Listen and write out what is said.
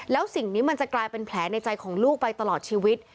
แล้วสิ่งนี้มันจะกลายเป็นแผลในใจของลูกไปตลอดชีวิต